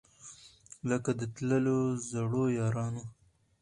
لکه د تللیو زړو یارانو